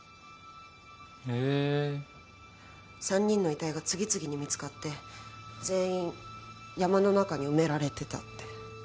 ３人の遺体が次々に見つかって全員山の中に埋められてたって。